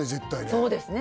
そうですね